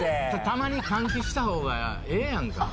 たまに換気したほうがええやんか。